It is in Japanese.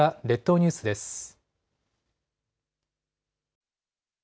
列島ニュースです。